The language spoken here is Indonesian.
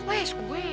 loh ya suka gue